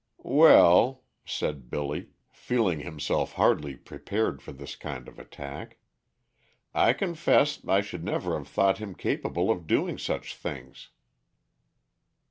"Well," said Billy, feeling himself hardly prepared for this kind of attack, "I confess I should never have thought him capable of doing such things."